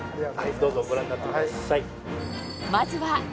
どうぞご覧になってください。